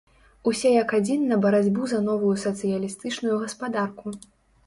Усе як адзін на барацьбу за новую сацыялістычную гаспадарку!